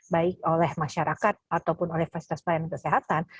baik oleh masyarakat ataupun oleh fasilitas pelayanan kesehatan